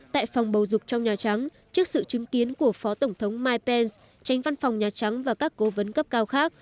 tại phòng bầu dục trong nhà trắng trước sự chứng kiến của phó tổng thống mike pence tránh văn phòng nhà trắng và các cố vấn cấp cao khác